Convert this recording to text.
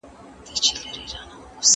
کېدای سي کتابتون بند وي،